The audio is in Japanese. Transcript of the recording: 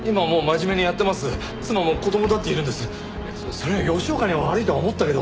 そりゃ吉岡には悪いとは思ったけど。